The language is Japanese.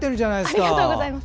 ありがとうございます。